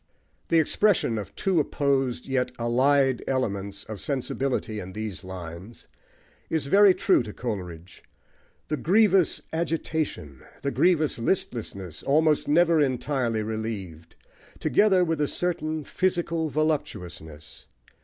The expression of two opposed, yet allied, elements of sensibility in these lines, is very true to Coleridge: the grievous agitation, the grievous listlessness, almost never entirely relieved, together with a certain physical voluptuousness.